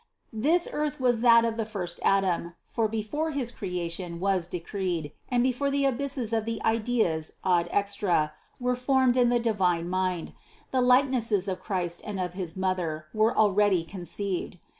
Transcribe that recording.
This earth was that of the first Adam; for before his creation was de creed, and before the abysses of the ideas ad extra were formed in the divine mind, the likenesses of Christ and of his Mother were already conceived.